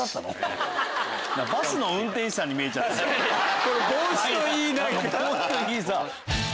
この帽子といい。